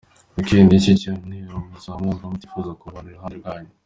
Weekend y’iki cyumweru, muzaba mwumva mutifuza kubona abantu iruhande rwanyu.